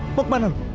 kau mau kemana